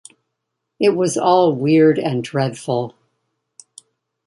It was all weird and dreadful.